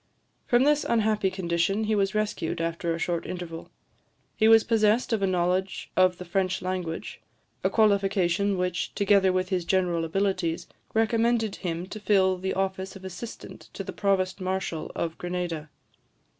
From this unhappy condition he was rescued, after a short interval. He was possessed of a knowledge of the French language; a qualification which, together with his general abilities, recommended him to fill the office of assistant to the Provost Marshal of Grenada.